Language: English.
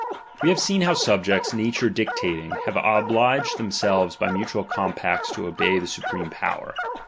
We have seen how subjects, nature dicta ting, have obliged themselues by mutual compacts to obey the supreme power.